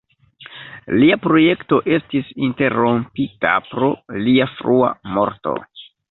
Lia projekto estis interrompita pro lia frua morto.